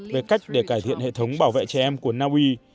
về cách để cải thiện hệ thống bảo vệ trẻ em của naui